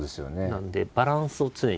なのでバランスを常に。